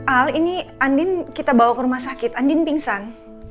al ini andin kita bawa ke rumah sakit andin pingsan